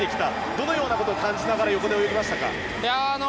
どのようなことを感じながら横で泳ぎましたか？